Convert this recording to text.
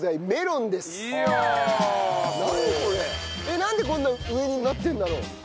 なんでこんな上になってるんだろう？